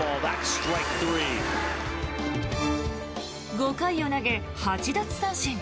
５回を投げ、８奪三振。